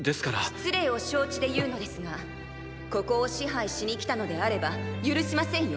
失礼を承知で言うのですがここを支配しに来たのであれば許しませんよ。